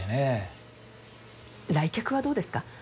来客はどうですか？